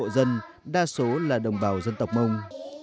với gần sáu mươi hộ dân đa số là đồng bào dân tộc mông